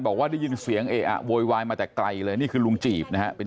บอกว่าได้ยินเสียงเออะโวยวายมาแต่ไกลเลยนี่คือลุงจีบนะฮะ